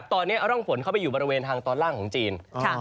ตอนนี้เอาร่องฝนเข้าไปอยู่บริเวณทางตอนล่างของจีน